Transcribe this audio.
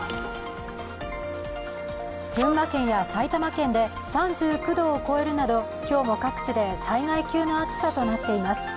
群馬県や埼玉県で３９度を超えるなど今日も各地で災害級の暑さとなっています。